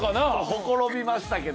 ほころびましたけどね。